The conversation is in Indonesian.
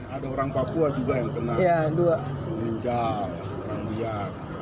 ada orang papua juga yang kena